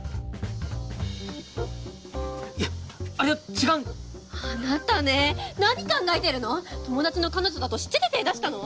いやっあれは違うんだあなたね何考えてるの⁉友達の彼女だと知ってて手出したの？